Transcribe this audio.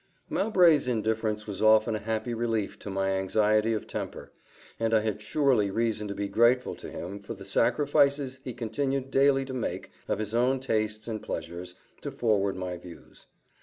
Mowbray's indifference was often a happy relief to my anxiety of temper; and I had surely reason to be grateful to him for the sacrifices he continued daily to make of his own tastes and pleasures, to forward my views.